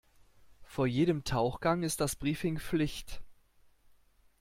Vor jedem Tauchgang ist das Briefing Pflicht.